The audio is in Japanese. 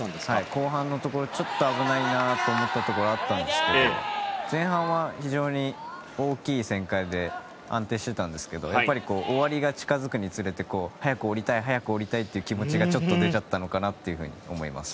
後半のところちょっと危ないなと思ったところはあったんですけど前半は非常に大きい旋回で安定していたんですが終わりが近付くにつれて早く下りたいという気持ちがちょっと出ちゃったのかなと思います。